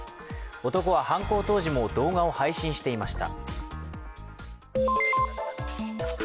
男は犯行当時も動画を配信していました。